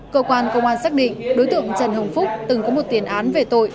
cơ quan công an xác định đối tượng trần hồng phúc từng có một tiền án về tội